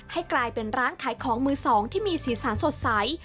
ให้กลายเป็นร้านขายของมือสองที่มีสีสันสดใส